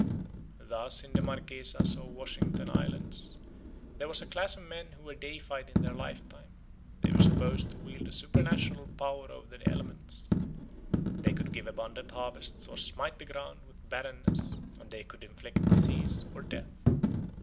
Thus in the Marquesas or Washington Islands there was a class of men who were deified in their lifetime. They were supposed to wield a supernatural power over the elements: they could give abundant harvests or smite the ground with barrenness; and they could inflict disease or death.